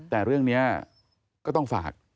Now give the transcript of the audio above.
แต่เรื่องนี้ก็ต้องฝาก